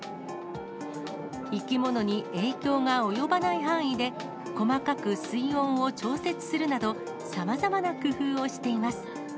生き物に影響が及ばない範囲で、細かく水温を調節するなど、さまざまな工夫をしています。